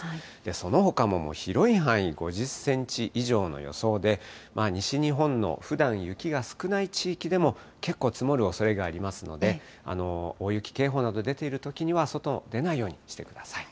そのほかも広い範囲、５０センチ以上の予想で、西日本のふだん、雪が少ない地域でも結構積もるおそれがありますので、大雪警報など出ているときには、外に出ないようにしてください。